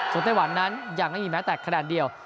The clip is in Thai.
ส่วนไต้หวันนั้นยังไม่มีแม้แต่คะแนนเดียว